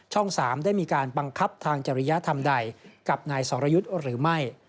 ๓ได้มีการบังคับทางจริยธรรมใดกับนายสรยุทธ์หรือไม่